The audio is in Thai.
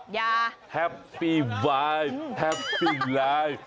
ยาแฮปปี้วายแฮปปี้ไลน์